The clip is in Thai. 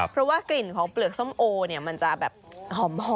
เพราะว่ากลิ่นของเปลือกส้มโอเนี่ยมันจะแบบหอม